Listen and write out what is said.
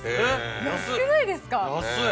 安くないですか⁉安い。